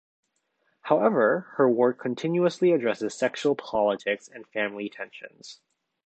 However, her work continuously addresses sexual politics and family tensions.